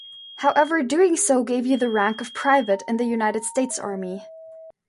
However, doing so gave you the rank of private in the United States army.